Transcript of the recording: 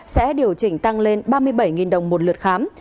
sẽ điều chỉnh tăng lên ba mươi bảy đồng một lượt khám